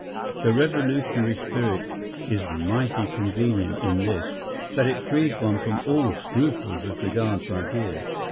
The revolutionary spirit is mighty convenient in this, that it frees one from all scruples as regards ideas.